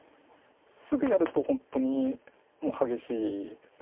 すぐやると本当に激しいです。